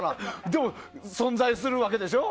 でも存在するわけでしょ。